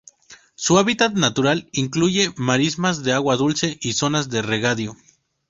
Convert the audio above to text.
Su hábitat natural incluye marismas de agua dulce y zonas de regadío.